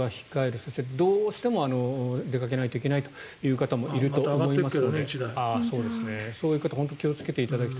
そして、どうしても出かけないといけない方もいると思いますが。